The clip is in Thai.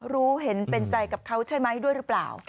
รู้เห็นเป็นใจกับเขาใช่ไหมด้วยหรือเปล่า